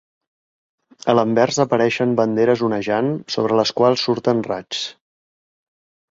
A l'anvers apareixen banderes onejant, sobre les quals surten raigs.